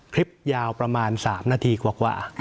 คลิปยาวประมาณ๓นาทีกว่า